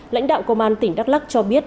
lãnh đạo công an tỉnh đắk lắc cho biết